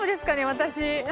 私。